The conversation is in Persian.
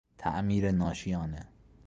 تعمیر ناشیانه